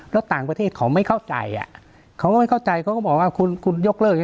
แล้วต่างประเทศเขาไม่เข้าใจอ่ะเขาก็ไม่เข้าใจเขาก็บอกว่าคุณคุณยกเลิก